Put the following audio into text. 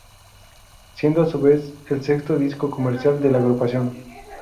Siendo a su vez el sexto disco comercial de la agrupación.